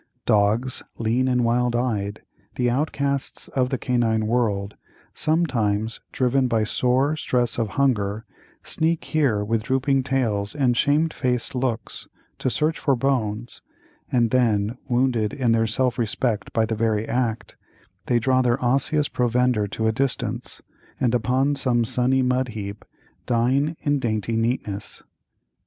Dogs, lean and wild eyed, the outcasts of the canine world, sometimes, driven by sore stress of hunger, sneak here with drooping tails and shame faced looks, to search for bones, and then, wounded in their self respect by the very act, they drag their osseous provender to a distance, and upon some sunny mud heap, dine in dainty neatness.